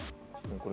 これ。